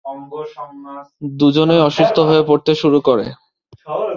দুজনেই অসুস্থ হয়ে পড়তে শুরু করে।